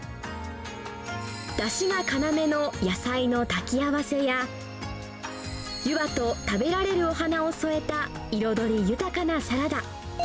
だしが要の野菜の炊き合わせや、湯葉と食べられるお花を添えた彩り豊かなサラダ。